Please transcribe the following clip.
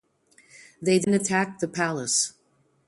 They then attacked the palace.